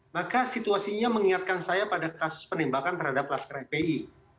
maka situasinya mengingatkan saya pada kasus penembakan terhadap laskar fpi